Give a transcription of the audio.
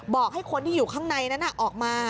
บอกให้คนที่อยู่ข้างในนั้นออกมา